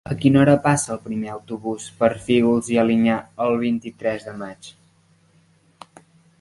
A quina hora passa el primer autobús per Fígols i Alinyà el vint-i-tres de maig?